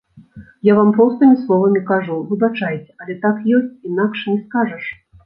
Я вам простымі словамі кажу, выбачайце, але так ёсць, інакш не скажаш.